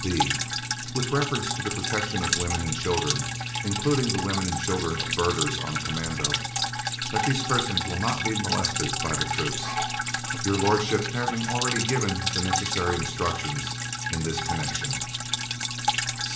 "(b) With reference to the protection of women and children (including the women and children of Burghers on Commando), that these persons will not be molested by the troops, Your Lordship having already given the necessary instructions in this connection.